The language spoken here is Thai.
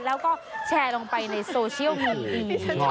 แล้วก็แชร์ลงไปในโซเชียลมี